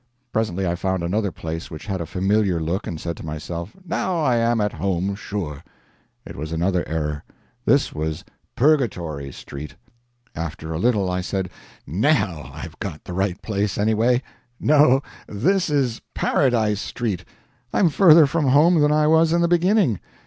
Presently I found another place which had a familiar look, and said to myself, "Now I am at home, sure." It was another error. This was "PURGATORY street." After a little I said, "NOW I've got the right place, anyway ... no, this is 'PARADISE street'; I'm further from home than I was in the beginning."